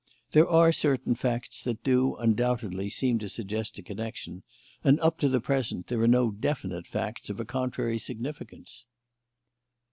There are certain facts that do, undoubtedly, seem to suggest a connection, and, up to the present, there are no definite facts of a contrary significance."